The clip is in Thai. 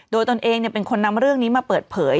โดยตนเองเป็นคนนำเรื่องนี้มาเปิดเผย